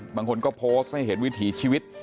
บางคนก็โพสต์ให้เห็นวิถีชีวิต